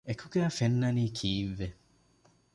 އެކުގައި ފެންނަނީ ކީއްވެ؟